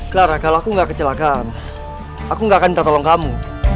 clara kalau aku gak kecelakaan aku gak akan minta tolong kamu